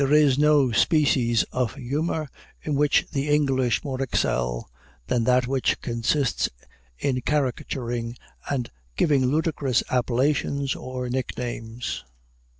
There is no species of humor in which the English more excel, than that which consists in caricaturing and giving ludicrous appellations, or nicknames.